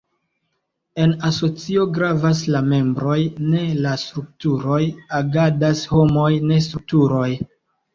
En asocio gravas la membroj ne la strukturoj; agadas homoj ne strukturoj.